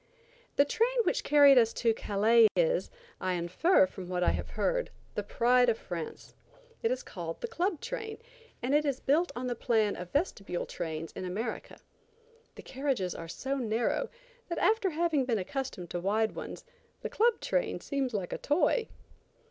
The train which carried us to Calais is, I infer from what I have heard, the pride of France. It is called the Club train, and is built on the plan of the vestibule trains in America. The carriages are so narrow, that after having been accustomed to wide ones, the Club train seems like a toy.